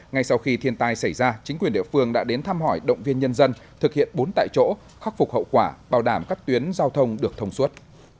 ngay sau khi thiên tai xảy ra chính quyền địa phương đã đến thăm hỏi động viên nhân dân thực hiện bốn tại chỗ khắc phục hậu quả bảo đảm các tuyến giao thông được thông suốt